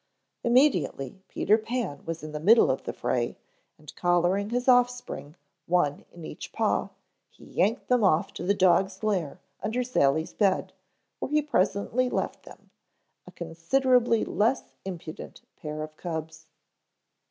Immediately Peter Pan was in the middle of the fray, and collaring his offspring, one in each paw, he yanked them off to the dogs' lair under Sally's bed, where he presently left them, a considerably less impudent pair of cubs.